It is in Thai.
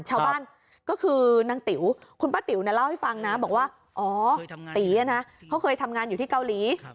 ชาวบ้านก็คือนางติ๋วคุณป้าติ๋วเล่าให้ฟังนะบอกว่าอ๋อตีนะเขาเคยทำงานอยู่ที่เกาหลี